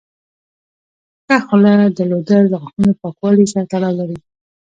ښه خوله درلودل د غاښونو پاکوالي سره تړاو لري.